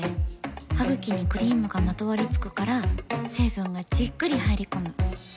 ハグキにクリームがまとわりつくから成分がじっくり入り込む。